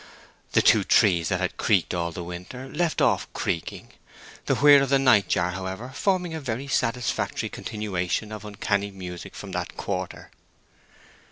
The two trees that had creaked all the winter left off creaking, the whir of the night jar, however, forming a very satisfactory continuation of uncanny music from that quarter.